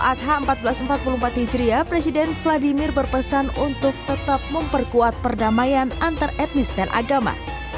adha seribu empat ratus empat puluh empat hijriah presiden vladimir berpesan untuk tetap memperkuat perdamaian antar etnis dan agama